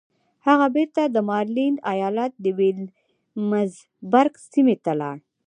هغه بېرته د ماريلنډ ايالت د ويلمزبرګ سيمې ته لاړ.